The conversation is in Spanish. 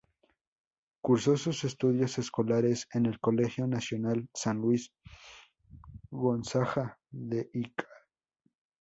Cursó sus estudios escolares en el Colegio Nacional San Luis Gonzaga de Ica.